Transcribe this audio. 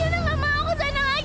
yana gak mau aku sana lagi